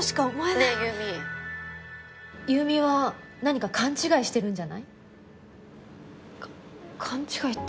「ねえ優美」優美は何か勘違いしてるんじゃない？か勘違いって。